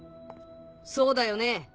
そうだよね？